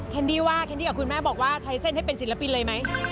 ดี้ว่าแคนดี้กับคุณแม่บอกว่าใช้เส้นให้เป็นศิลปินเลยไหม